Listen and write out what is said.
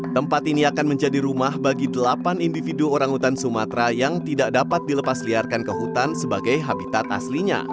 tempat ini akan menjadi rumah bagi delapan individu orang hutan sumatera yang tidak dapat dilepasliarkan ke hutan sebagai habitat aslinya